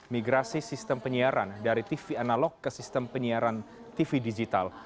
migrasi sistem penyiaran dari tv analog ke sistem penyiaran tv digital